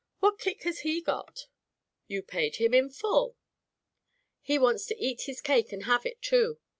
What kick has he got ? You paid him in full." "He wants to eat his cake and have it too.